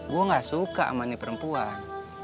gue nggak suka sama nih perempuan